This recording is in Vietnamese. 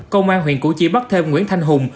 công an huyện củ chi bắt thêm nguyễn thanh hùng